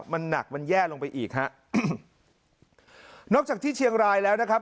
มันหนักมันแย่ลงไปอีกฮะอืมนอกจากที่เชียงรายแล้วนะครับ